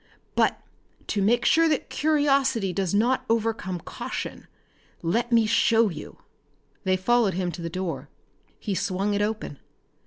But to make sure that curiosity does not overcome caution, let me show you!" They followed him to the door. He swung it open.